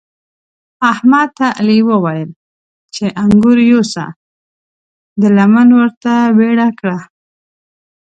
احمد ته علي وويل چې انګور یوسه؛ ده لمن ورته ويړه کړه.